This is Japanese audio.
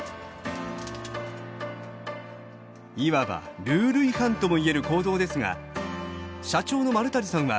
いわばルール違反とも言える行動ですが社長の丸谷さんは全て認めました。